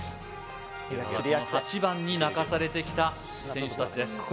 今までも８番に泣かされてきた選手達です